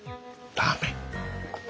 ダメ。